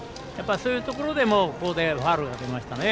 そういうところでファウルになりましたね。